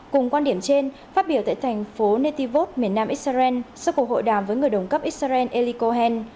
cùng quan điểm trên phát biểu tại thành phố netivot miền nam israel sau cuộc hội đàm với người đồng cấp israel eli cohen